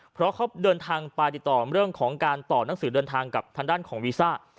เพราะเขาเดินทางไปติดต่อเรื่องของการต่อหนังสือเดินทางกับทางด้านของวีซ่า